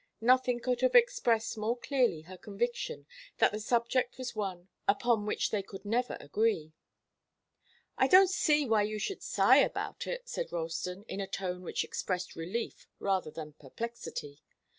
Nothing could have expressed more clearly her conviction that the subject was one upon which they could never agree. "I don't see why you should sigh about it," said Ralston, in a tone which expressed relief rather than perplexity.